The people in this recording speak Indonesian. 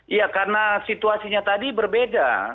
ya karena situasinya tadi berbeda